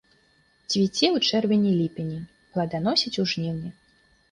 Цвіце ў чэрвені-ліпені, пладаносіць у жніўні.